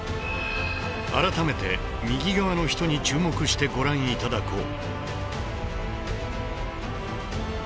改めて右側の人に注目してご覧頂こう。